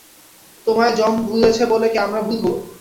তোমায় যম ভুলেছে বলে কি আমরা ভুলব।